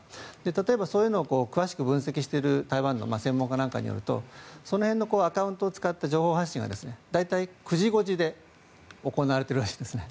例えばそういうのを詳しく分析している台湾の専門家なんかによるとその辺のアカウントを使った情報発信は大体９５時で行われているらしいんです。